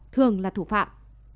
thường là thủ phạm